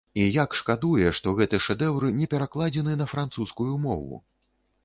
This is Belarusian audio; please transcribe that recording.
І як шкадуе, што гэты шэдэўр не перакладзены на французскую мову!